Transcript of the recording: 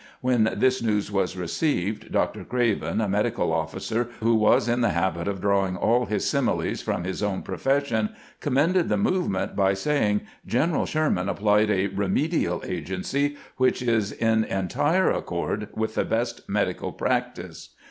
When this news was received. Dr. Craven, a medical officer who was in the habit of drawing all his similes from his own profession, commended the movement by saying :" Greneral Sher 388 CAMPAIGNING WITH GRANT man applied a remedial agency wHeli is in entire accord with the best medical practice.